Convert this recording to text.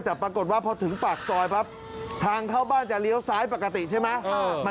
แต่ปรากฏว่าพอถึงปากซอยปั๊บทางเข้าบ้านจะเลี้ยวซ้ายปกติใช่ไหม